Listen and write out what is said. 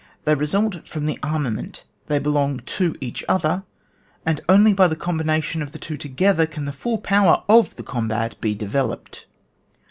They result from the armament, they belong to each other, and only by the combination of the two together can the full power of the combat be developed.